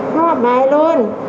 không học bài luôn